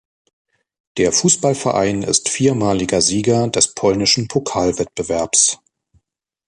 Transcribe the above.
Der Fußballverein ist viermaliger Sieger des polnischen Pokalwettbewerbs.